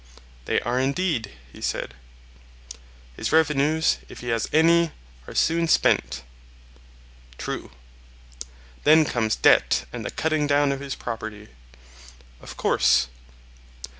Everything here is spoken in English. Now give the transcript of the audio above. They are indeed, he said. His revenues, if he has any, are soon spent. True. Then comes debt and the cutting down of his property. Of course.